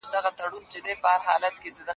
تر منځ موقعیت لري.